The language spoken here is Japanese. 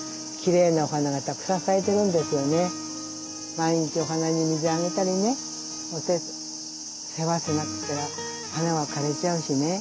毎日お花に水あげたりね世話しなくては花は枯れちゃうしね。